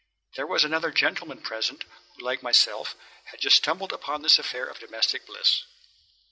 There was another gentleman present who like myself had just stumbled upon this affair of domestic bliss.